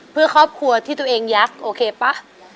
เพื่อครอบครัวที่ตัวเองยักษ์โอเคป่ะ